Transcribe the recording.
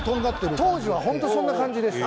当時はホントそんな感じでした。